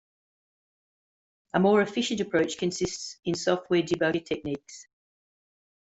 A more efficient approach consists in software debugger technique.